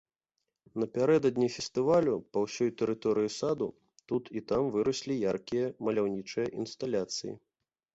Напярэдадні фестывалю па ўсёй тэрыторыі саду тут і там выраслі яркія маляўнічыя інсталяцыі.